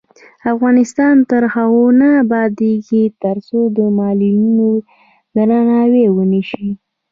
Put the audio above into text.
افغانستان تر هغو نه ابادیږي، ترڅو د معلولینو درناوی ونشي.